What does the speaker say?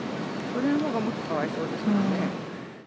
それのほうがもっとかわいそうですよね。